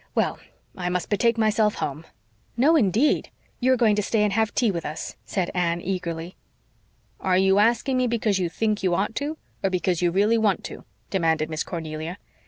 Well, I must betake myself home." "No, indeed! You are going to stay and have tea with us," said Anne eagerly. "Are you asking me because you think you ought to, or because you really want to?" demanded Miss Cornelia.